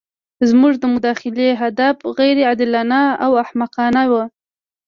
زموږ د مداخلې هدف غیر عادلانه او احمقانه وو.